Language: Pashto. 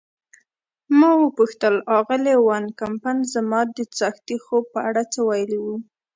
ما وپوښتل: آغلې وان کمپن زما د څاښتي خوب په اړه څه ویلي وو؟